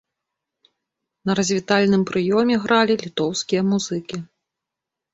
На развітальным прыёме гралі літоўскія музыкі.